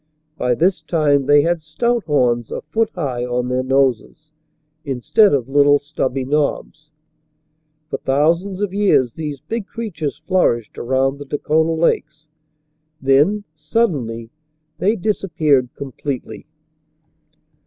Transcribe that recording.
By this time they had stout horns a foot high on their noses, instead of little stubby knobs. For thousands of years these big creatures flourished around the Dakota lakes, then, suddenly, they disappeared completely.